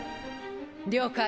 了解。